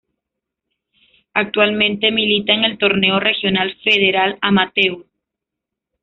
Actualmente milita en el Torneo Regional Federal Amateur.